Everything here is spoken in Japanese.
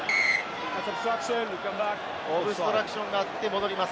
オブストラクションがあって戻ります。